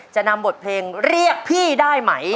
จะนำบทเพลงเรียกพี่ได้ไหม